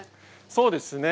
そうですね。